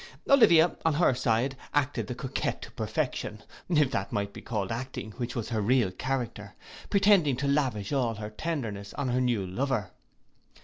Olivia, on her side, acted the coquet to perfection, if that might be called acting which was her real character, pretending to lavish all her tenderness on her new lover.